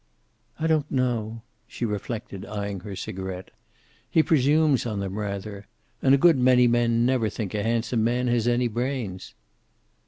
"I don't know." She reflected, eyeing her cigaret. "He presumes on them, rather. And a good many men never think a handsome man has any brains."